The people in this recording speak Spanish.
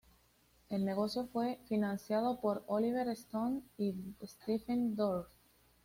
El negocio fue financiado por Oliver Stone y Stephen Dorff.